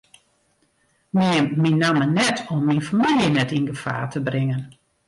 Neam myn namme net om myn famylje net yn gefaar te bringen.